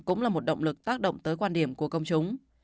cũng là một động lực tác động tới quan điểm của công chúng